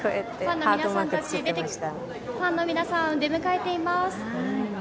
ファンの皆さんが出迎えています。